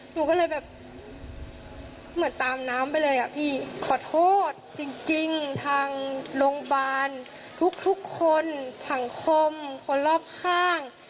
หนูก็เลยแบบเหมือนตามน้ำไปเลยอ่ะพี่ขอโทษจริงทางโรงพยาบาลทุกทุกคนสังคมคนรอบข้าง